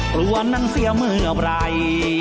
กลัวนั่นเสียเมื่อไหร่